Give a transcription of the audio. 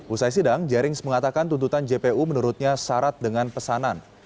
usai sidang jerings mengatakan tuntutan jpu menurutnya syarat dengan pesanan